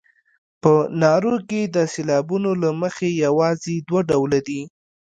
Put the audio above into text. په نارو کې د سېلابونو له مخې یوازې دوه ډوله دي.